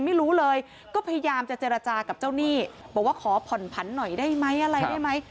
ไม่รู้เลยก็พยายามจะเจรจากับเจ้าหนี้บอกว่าขอผ่อนผันหน่อยได้ไหมอะไรได้ไหม